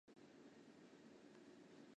属于第四收费区。